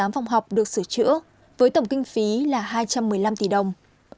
tám phòng học được sửa chữa với tổng kinh phí là hai trăm một mươi năm tỷ đồng